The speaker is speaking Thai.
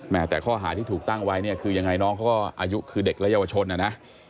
แม้แต่ข้อหาที่ถูกตั้งไว้คือยังไงน้องก็อายุคือเด็กและเยาวชน